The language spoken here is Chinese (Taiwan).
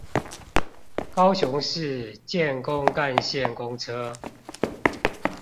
高雄市建工幹線公車